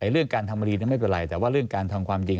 เรื่องการทำคดีไม่เป็นไรแต่ว่าเรื่องการทำความจริง